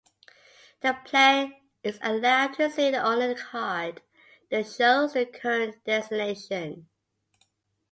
The player is allowed to see only the card that shows their current destination.